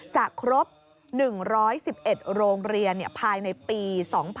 จะครบ๑๑๑โรงเรียนภายในปี๒๕๖๒